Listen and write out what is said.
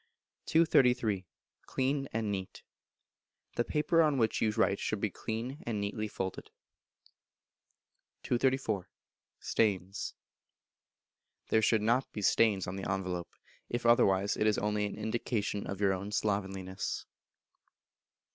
233. Clean and Neat. The paper on which you write should be clean, and neatly folded. 234. Stains. There should not be stains on the envelope; if otherwise, it is only an indication of your own slovenliness.